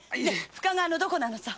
深川のどこなのさ？